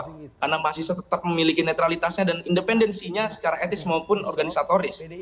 karena mahasiswa tetap memiliki netralitasnya dan independensinya secara etis maupun organisatoris